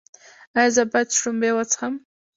ایا زه باید شړومبې وڅښم؟